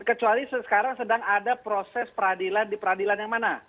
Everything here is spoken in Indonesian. kecuali sekarang sedang ada proses peradilan di peradilan yang mana